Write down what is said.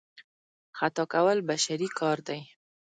خطا کول بشري کار دی.